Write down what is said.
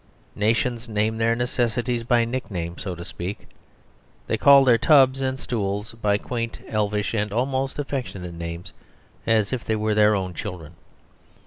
Nations name their necessities by nicknames, so to speak. They call their tubs and stools by quaint, elvish, and almost affectionate names, as if they were their own children!